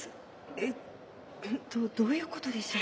えっどういう事でしょう？